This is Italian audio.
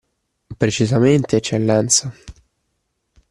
Precisamente, Eccellenza!